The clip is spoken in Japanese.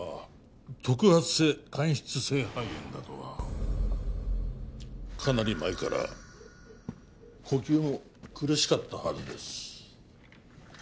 特発性間質性肺炎だとはかなり前から呼吸も苦しかったはずです